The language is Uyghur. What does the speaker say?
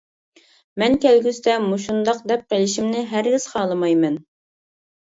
مەن كەلگۈسىدە مۇشۇنداق دەپ قېلىشىمنى ھەرگىز خالىمايمەن.